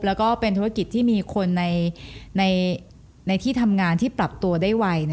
แล้วก็เป็นธุรกิจที่มีคนในที่ทำงานที่ปรับตัวได้ไว